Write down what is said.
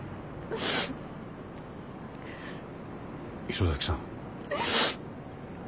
磯崎さん。